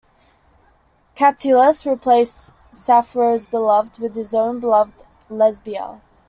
Catullus replaces Sappho's beloved with his own beloved Lesbia.